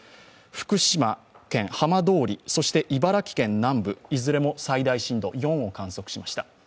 福島県浜通り、そして茨城県南部、いずれも最大震度４を観測しました。